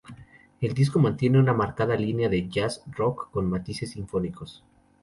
El disco mantiene una marcada línea de Jazz rock con matices sinfónicos.